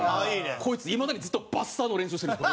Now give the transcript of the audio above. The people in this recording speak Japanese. こいついまだにずっとバスターの練習してるんです